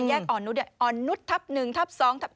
แยกอ่อนนุษย์เนี่ยอ่อนนุษย์ทับหนึ่งทับสอง